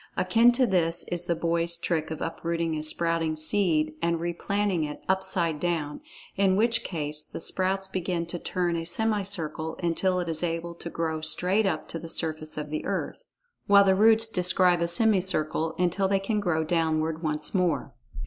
Akin to this is the boy's trick of uprooting a sprouting seed, and replanting it upside down, in which case the sprouts begin to turn a semicircle until it is able to grow straight up to the surface of the earth, while the roots describe a semicircle until they can grow downward once more.